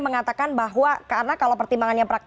mengatakan bahwa karena kalau pertimbangannya